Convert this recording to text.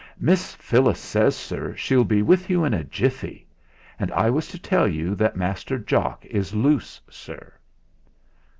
"Miss Phyllis says, sir, she'll be with you in a jiffy. And I was to tell you that Master Jock is loose, sir."